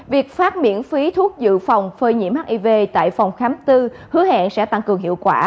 việc phát miễn phí thuốc dự phòng phơi nhiễm hiv tại phòng khám tư hứa hẹn sẽ tăng cường hiệu quả